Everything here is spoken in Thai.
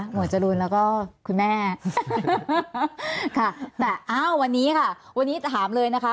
หมวดจรุนแล้วก็คุณแม่วันนี้ถามเลยนะคะ